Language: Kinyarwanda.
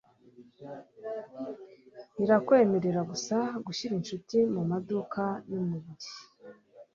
irakwemerera gusa gushira inshuti mumaduka yumubiri